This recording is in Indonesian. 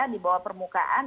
di bawah permukaan